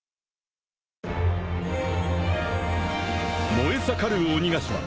［燃え盛る鬼ヶ島］